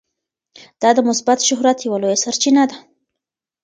دا د مثبت شهرت یوه لویه سرچینه ده.